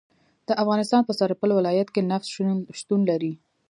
د افغانستان په سرپل ولایت کې نفت شتون لري